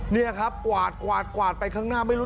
เนี่ยครับกวาดเป็นข้างหน้าไม่รู้